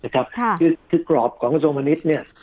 คือกรอบของกระทรวงพนิษฐ์